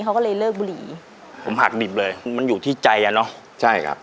เขาก็เลยเลิกบุหรี่ผมหักดิบเลยมันอยู่ที่ใจอ่ะเนอะใช่ครับ